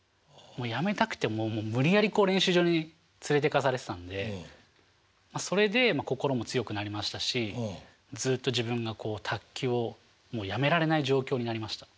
もうやめたくてももう無理やり練習場に連れていかされてたんでそれでまあ心も強くなりましたしずっと自分がこう卓球をもうやめられない状況になりました。